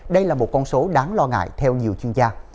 đây là một con số đáng lo ngại theo nhiều chuyên gia